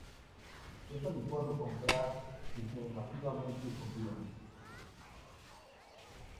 es adecuado comparar el que masivamente copien